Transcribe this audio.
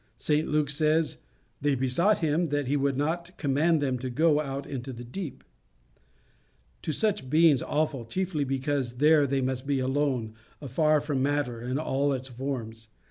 St Luke says, "They besought him that he would not command them to go out into the deep" to such beings awful, chiefly because there they must be alone, afar from matter and all its forms.